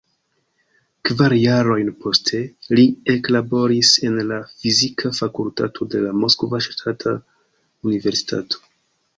Kvar jarojn poste, li eklaboris en la Fizika Fakultato de la Moskva Ŝtata Universitato.